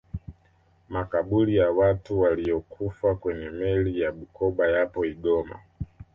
makabuli ya watu waliyokufa kwenye meli ya bukoba yapo igoma